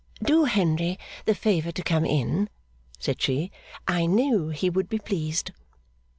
'Do Henry the favour to come in,' said she, 'I knew he would be pleased!